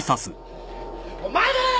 お前だよ！